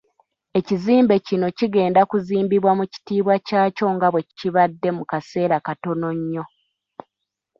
Ekizimbe kino kigenda kunzimbibwa mu kitiibwa kyakyo nga bwe kibadde mu kaseera katono nnyo.